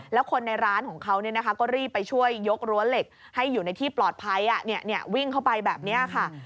แล้วคนในร้านของเขาก็รีบไปช่วยยกรั้วเหล็กให้อยู่ในที่ปลอดภัยวิ่งเข้าไปแบบนี้ค่ะ